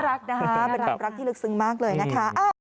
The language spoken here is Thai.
รักนะคะเป็นความรักที่ลึกซึ้งมากเลยนะคะ